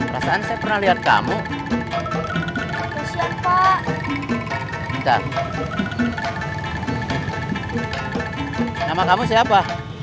pasang saya pernah lihat kamu tak nama kamu siapa